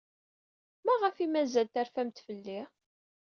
Maɣef ay mazal terfamt fell-i?